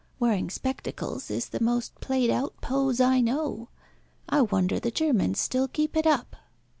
Wearing spectacles is the most played out pose I know. I wonder the Germans still keep it up."